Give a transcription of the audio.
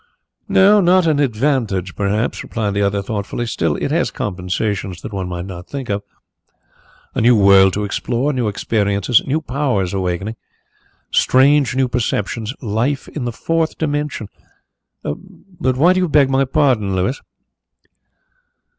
"Not an advantage perhaps," replied the other thoughtfully. "Still it has compensations that one might not think of. A new world to explore, new experiences, new powers awakening; strange new perceptions; life in the fourth dimension. But why do you beg my pardon, Louis?"